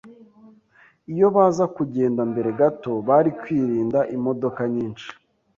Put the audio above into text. Iyo baza kugenda mbere gato, bari kwirinda imodoka nyinshi